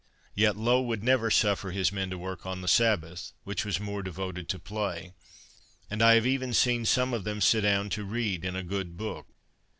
Yet Low would never suffer his men to work on the Sabbath, which was more devoted to play; and I have even seen some of them sit down to read in a good book.